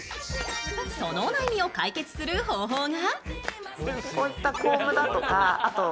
そのお悩みを解決する方法が。